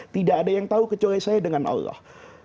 tidak ada yang tahu kecuali saya dengan allah